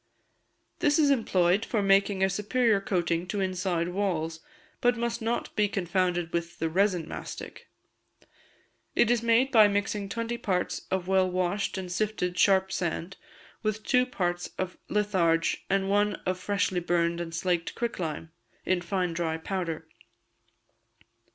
This is employed for making a superior coating to inside walls, but must not be confounded with the resin mastic. It is made by mixing twenty parts of well washed and sifted sharp sand with two parts of litharge and one of freshly burned and slaked quicklime, in fine dry powder.